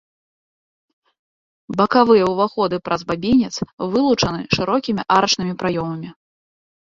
Бакавыя ўваходы праз бабінец вылучаны шырокімі арачнымі праёмамі.